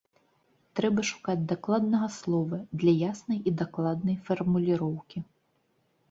Трэба шукаць дакладнага слова для яснай і дакладнай фармуліроўкі.